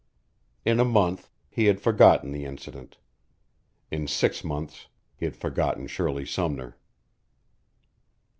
In a month he had forgotten the incident; in six months he had forgotten Shirley Sumner.